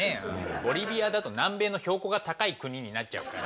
ボリビアだと南米の標高が高い国になっちゃうから。